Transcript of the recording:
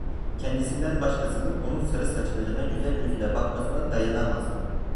Kendisinden başkasının onun sarı saçlarına, güzel yüzüne bakmasına dayanamazdı…